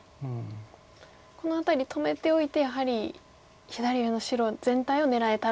この辺り止めておいてやはり左上の白全体を狙えたらと。